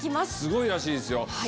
すごいらしいですよ。